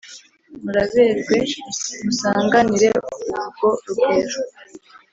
Muraberwe, musanganire urwo rugwiro